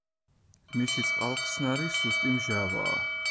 მისი წყალხსნარი სუსტი მჟავაა.